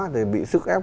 thì bị sức ép